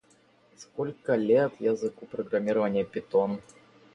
Spencer is part of the Bloomington, Indiana Metropolitan Statistical Area.